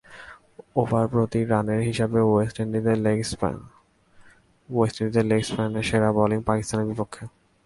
ওভারপ্রতি রানের হিসাবে ওয়েস্ট ইন্ডিজের লেগ স্পিনারের সেরা বোলিং পাকিস্তানের বিপক্ষে।